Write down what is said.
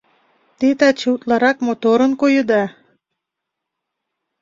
— Те таче утларак моторын койыда!